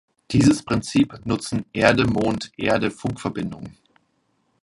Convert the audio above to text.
Dieses Prinzip nutzen Erde-Mond-Erde-Funkverbindungen.